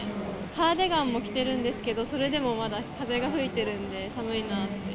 カーディガンも着てるんですけど、それでもまだ風が吹いてるんで、寒いなって。